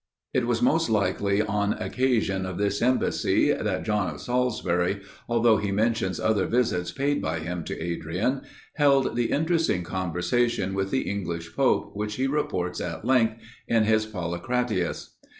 It was most likely on occasion of this embassy, that John of Salisbury, although he mentions other visits paid by him to Adrian, held the interesting conversation with the English pope, which he reports at length, in his Polycraticus.